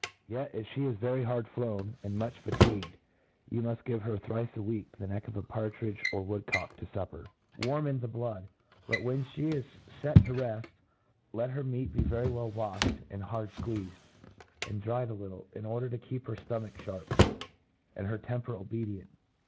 Yet, if ihe is very hard flown, and much fatigued, you muft give her thrice a week the neck of a partridge or MODERN FAULCONRY. 217 or woodcock to fupper, warm in the blood. But when fhc is fct to reft, let her meat be ve ry well waflied, and hard fqucezed, and dried a little, in order to keep her ftoinach fliarp, and her temper obedient.